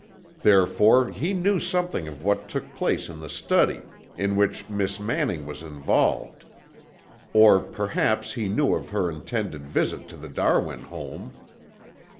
Therefore he knew something of what took place in the study, in which Miss Manning was involved. Or, perhaps, he knew of her intended visit to the Darwin home.